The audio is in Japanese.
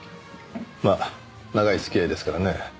まあ長い付き合いですからねえ。